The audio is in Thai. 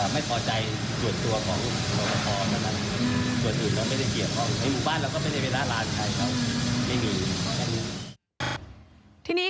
ไม่มีแค่นี้